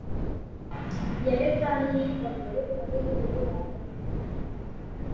எழுத்தாணியைக்கொண்டு அதில் எழுதினார்கள்.